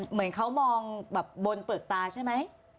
เหมือนเขามองแบบบนเปลือกตาใช่ไหม